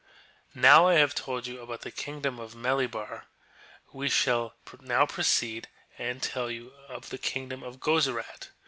Now I have told you about the kingdom of Melibar ; we shall now proceed and tell you of the kingdom of Gozu rat.